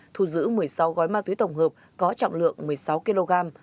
thu giữ một mươi sáu gói ma túy tổng hợp có trọng lượng một mươi sáu kg